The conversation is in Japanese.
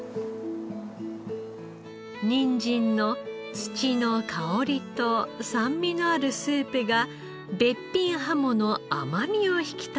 ニンジンの土の香りと酸味のあるスープがべっぴんハモの甘みを引き立てるひと皿。